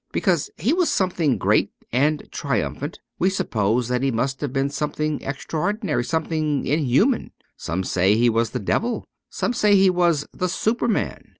Because he was something great and triumphant, we suppose that he must have been something extraordinary, something inhuman. Some say he was the Devil ; some say he was the Superman.